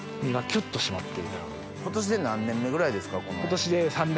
今年で何年目ぐらいですか？